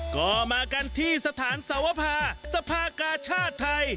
ก็มากันที่สถานสวภาสภากาชาติไทย